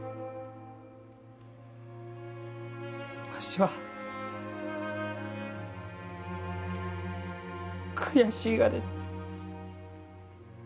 わしは悔しいがです。